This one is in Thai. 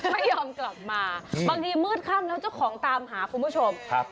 ไม่ยอมกลับมาบางทีมืดค่ำแล้วเจ้าของตามหาคุณผู้ชมครับ